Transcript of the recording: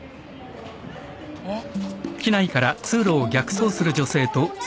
えっ？